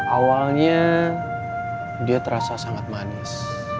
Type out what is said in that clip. awalnya dia terasa sangat manis